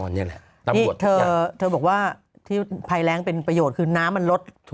นี่เธอบอกว่าที่ภายแรงเป็นประโยชน์คือน้ำมันรด